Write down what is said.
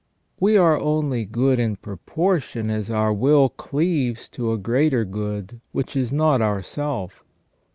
We are only good in proportion as our will cleaves to a greater good, which is not ourself.